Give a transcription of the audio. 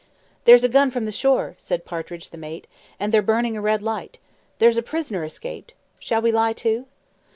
"That's a gun from the shore," said Partridge the mate, "and they're burning a red light. There's a prisoner escaped. Shall we lie to?"